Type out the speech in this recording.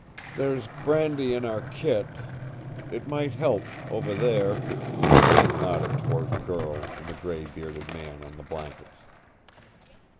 "There's brandy in our kit. It might help over there," and he nodded toward the girl and the gray bearded man on the blankets.